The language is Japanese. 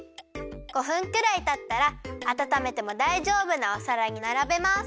５分くらいたったらあたためてもだいじょうぶなおさらにならべます。